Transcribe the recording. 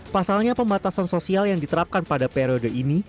pasalnya pembatasan sosial yang diterapkan pada periode ini